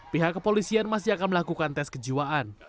pihak kepolisian masih akan melakukan tes kejiwaan